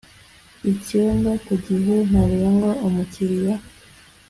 Icyenda ku gihe ntarengwa umukiliya